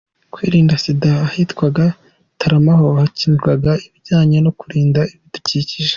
kwirinda Sida, ahitwaga Tarama ho hakinirwaga ibijyanye no kurinda ibidukikije,.